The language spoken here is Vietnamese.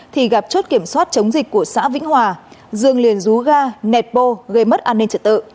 thì gặp chốt kiểm soát chống dịch của xã vĩnh hòa dương liền rú ga nẹt bô gây mất an ninh trật tự